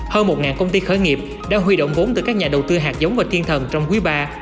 hơn một công ty khởi nghiệp đã huy động vốn từ các nhà đầu tư hạt giống và thiên thần trong quý iii